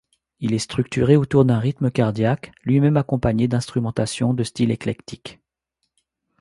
Il est structuré autour d'un rythme cardiaque, lui-même accompagné d'instrumentations de styles éclectiques.